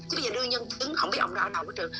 chứ bây giờ đưa nhân tính không biết ông ở đâu hết trường